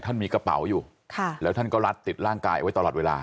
ท่านมีกระเป๋าอยู่แล้วท่านก็ลัดติดร่างกายไว้ตลอดเวลา